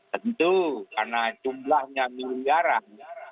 tentu karena jumlahnya miliaran